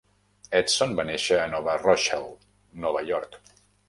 Edson va néixer a Nova Rochelle, Nova York.